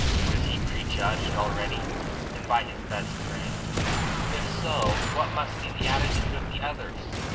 Was he prejudged already, and by his best friend? If so, what must be the attitude of the others?